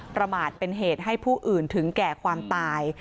ประมาทเป็นเหตุให้ผู้อื่นถึงแก่ความตาย